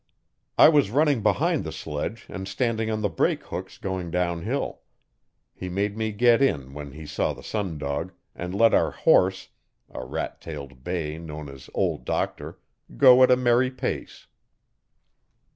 I was running behind the sledge and standing on the brake hooks going downhill. He made me get in when he saw the sun dog, and let our horse a rat tailed bay known as Old Doctor go at a merry pace.